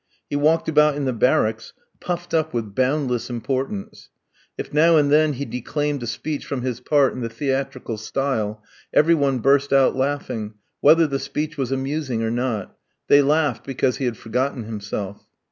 He walked about in the barracks puffed up with boundless importance. If now and then he declaimed a speech from his part in the theatrical style, every one burst out laughing, whether the speech was amusing or not; they laughed because he had forgotten himself.